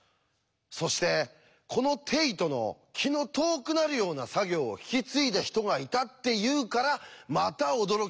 そしてこのテイトの気の遠くなるような作業を引き継いだ人がいたっていうからまた驚きです。